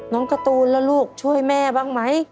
น้องกระตูลล่ะลูกช่วยแม่บ้างไหม